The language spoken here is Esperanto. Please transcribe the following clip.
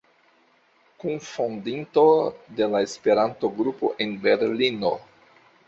Kunfondinto de la Esperanto-Grupo en Berlino.